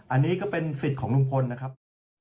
อันนี้ก็เป็นสิทธิ์ของลุงพลนะครับ